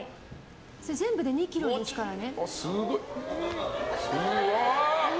全部２ｋｇですからね。